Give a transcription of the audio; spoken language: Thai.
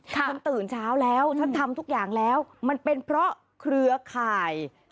ตื่นเช้าแล้วฉันทำทุกอย่างแล้วมันเป็นเพราะเครือข่าย